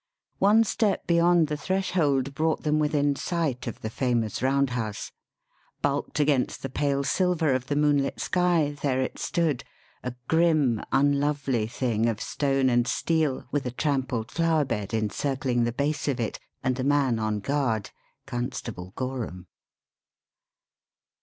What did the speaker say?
One step beyond the threshold brought them within sight of the famous Round House. Bulked against the pale silver of the moonlit sky, there it stood a grim, unlovely thing of stone and steel with a trampled flower bed encircling the base of it, and a man on guard Constable Gorham.